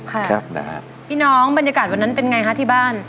ครับนะฮะพี่น้องบรรยากาศวันนั้นเป็นไงฮะที่บ้าน